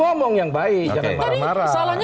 ngomong yang baik jangan marah marah